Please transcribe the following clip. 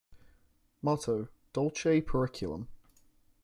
Motto: Dulce Periculum.